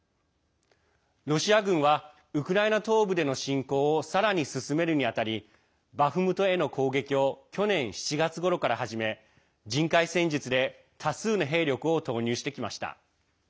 ロシア軍はウクライナ東部での侵攻をさらに進めるにあたりバフムトへの攻撃を去年７月ごろから始め人海戦術で多数の兵力を投入してきました。